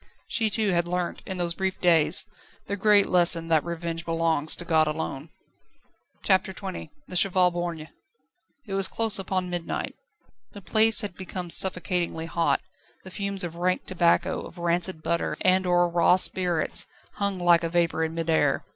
She too had learnt in those brief days the great lesson that revenge belongs to God alone. CHAPTER XX The Cheval Borgne. It was close upon midnight. The place had become suffocatingly hot; the fumes of rank tobacco, of rancid butter, and of raw spirits hung like a vapour in mid air.